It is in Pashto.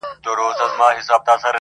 خدایه مینه د قلم ورکي په زړو کي .